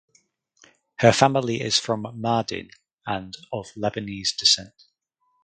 Her family is from Mardin and of Lebanese descent.